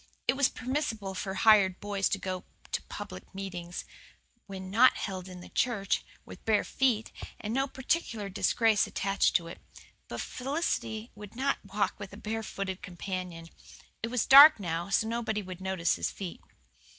It was permissible for hired boys to go to public meetings when not held in the church with bare feet, and no particular disgrace attached to it. But Felicity would not walk with a barefooted companion. It was dark now, so nobody would notice his feet.